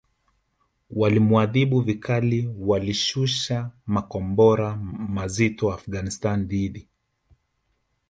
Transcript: walimuadhibu vikali Walishusha makombora mazito Afghanistan dhidi